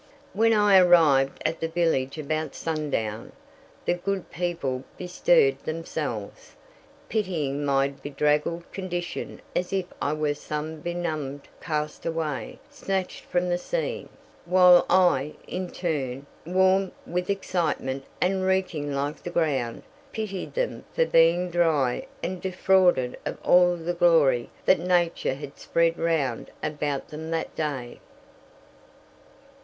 When I arrived at the village about sundown, the good people bestirred themselves, pitying my bedraggled condition as if I were some benumbed castaway snatched from the sea, while I, in turn, warm with excitement and reeking like the ground, pitied them for being dry and defrauded of all the glory that Nature had spread round about them that day.